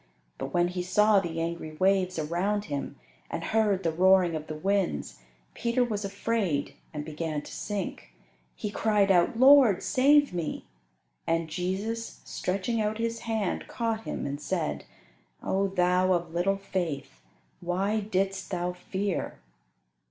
But when he saw the angry waves around him and heard the roaring of the winds, Peter was afraid and began to sink. He cried out, "Lord, save me." And Jesus, stretching out His hand, caught him, and said, "O thou of little faith, why didst thou fear?"